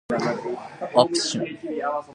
Option c, "had playing," is not grammatically correct.